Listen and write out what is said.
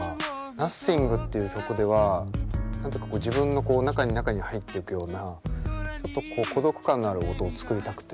「Ｎｏｔｈｉｎｇ」っていう曲では自分のこう中に中に入っていくようなちょっとこう孤独感のある音を作りたくて。